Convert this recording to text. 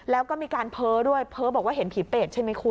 แล้วก็มีการเพ้อด้วยเพ้อบอกว่าเห็นผีเปรตใช่ไหมคุณ